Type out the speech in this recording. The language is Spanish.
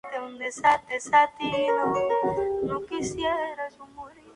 Fue ordenado diácono transitorio por Mons.